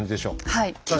はい。